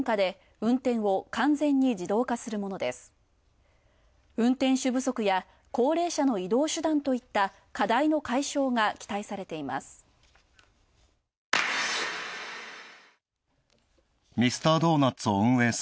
運転手不足や高齢者の移動手段といった課題の解消が期待されています。